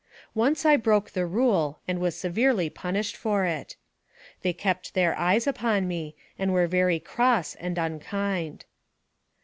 Once I broke the rule and was severely punished for it. They kept their eyes upon me, and were very cross and unkind.